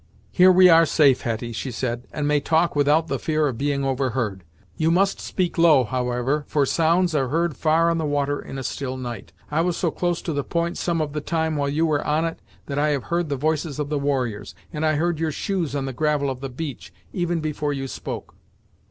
"Here we are safe, Hetty," she said, "and may talk without the fear of being overheard. You must speak low, however, for sounds are heard far on the water in a still night. I was so close to the point some of the time while you were on it, that I have heard the voices of the warriors, and I heard your shoes on the gravel of the beach, even before you spoke."